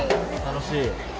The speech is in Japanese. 楽しい？